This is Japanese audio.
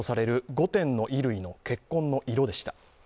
５点の衣類の血痕の色でした。